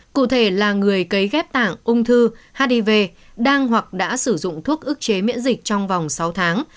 cụ thể là người cấy ghép tảng ung thư hiv đang hoặc đã sử dụng thuốc ức chế miễn dịch trong vòng sáu tháng